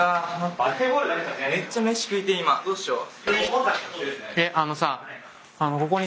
どうしよう。